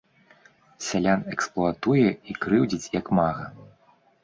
Сялян эксплуатуе і крыўдзіць як мага.